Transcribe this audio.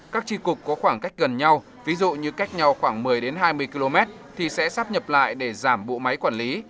các tri cục có khoảng cách gần nhau ví dụ như cách nhau khoảng một mươi hai mươi km thì sẽ sắp nhập lại để giảm bộ máy quản lý